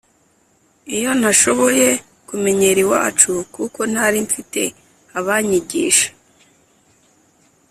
iyo ntashoboye kumenyera iwacu kuko ntari mfite abanyigisha